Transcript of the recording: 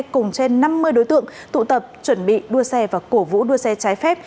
cùng trên năm mươi đối tượng tụ tập chuẩn bị đua xe và cổ vũ đua xe trái phép